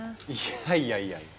いやいやいや